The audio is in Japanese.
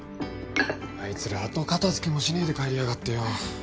あいつら後片付けもしねえで帰りやがってよ。